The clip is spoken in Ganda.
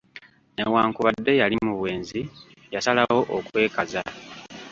Newankubadde yali mu bwenzi, yasalawo okwekaza.